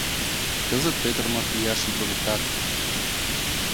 Кызыт Пӧтырмыт ияшым туныктат.